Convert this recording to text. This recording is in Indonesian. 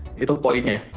iya betul itu poinnya